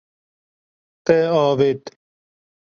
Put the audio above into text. Te avêt.